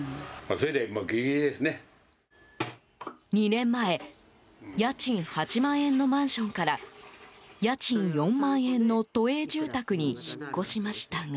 ２年前家賃８万円のマンションから家賃４万円の都営住宅に引っ越しましたが。